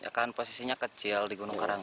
kan posisinya kecil di gunung karang